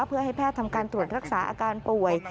เพื่อให้แพทย์ทำการตรวจรักษาอาการป่วย